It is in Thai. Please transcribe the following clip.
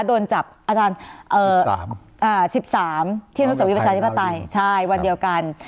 โดนจับอาจารย์๑๓ที่อนุสวรีประชาธิปไตยวันเดียวกัน